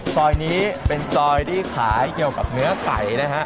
ซอยนี้เป็นซอยที่ขายเกี่ยวกับเนื้อไก่นะฮะ